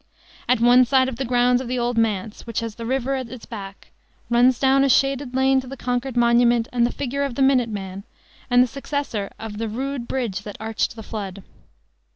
At one side of the grounds of the Old Manse which has the river at its back runs down a shaded lane to the Concord monument and the figure of the Minute Man and the successor of "the rude bridge that arched the flood."